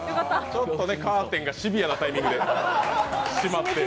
ちょっとね、カーテンがシビアなタイミングで閉まって。